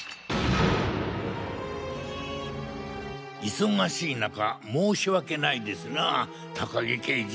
忙しい中申し訳ないですな高木刑事。